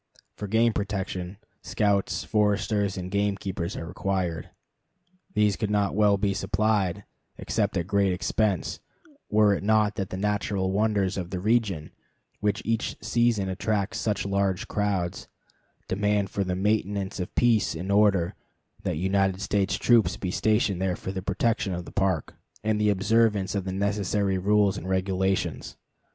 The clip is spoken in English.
For game protection scouts, foresters, and gamekeepers are required. These could not well be supplied, except at great expense, were it not that the natural wonders of the region, which each season attracts such large crowds, demand for the maintenance of peace and order that United States troops be stationed there for the protection of the Park, and the observance of the necessary rules and regulations.